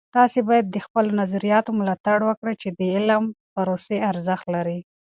تاسې باید د خپلو نظریاتو ملاتړ وکړئ چې د علم د پروسې ارزښت لري.